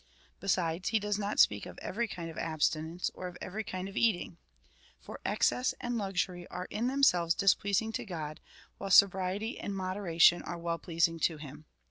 Besides, he does not speak of every kind of abstinence, or of every kind of eating. For excess and luxury are in themselves displeasing to God, while sobriety and moderation are well pleasing to him.